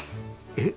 えっ？